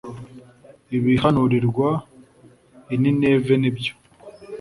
Ibihanurirwa i Nineve nibyo